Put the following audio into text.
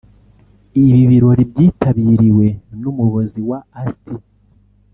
Ibi birori byitabiriwe n’Umuyobozi wa Asti